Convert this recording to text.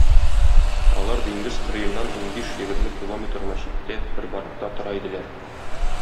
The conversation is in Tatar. Алар диңгез кырыеннан унбиш-егерме километр гына читтә, бер баракта тора иделәр.